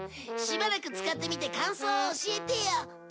しばらく使ってみて感想を教えてよ。